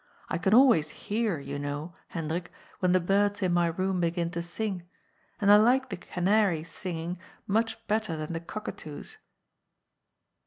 I can always hear, you know, Hendrik, when the birds in my room begin to sing, and I like the canaries' singing much better than the cockatoo's."